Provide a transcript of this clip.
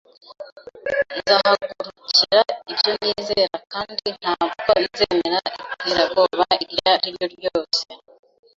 Nzahagurukira ibyo nizera kandi ntabwo nzemera iterabwoba iryo ari ryo ryose.